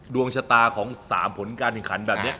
ดวงชะตาของ๓ผลการแข่งขันแบบนี้